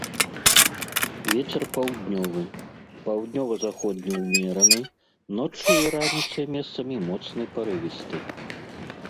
Вецер паўднёвы, паўднёва-заходні ўмераны, ноччу і раніцай месцамі моцны парывісты.